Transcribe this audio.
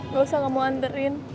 ga usah kamu anterin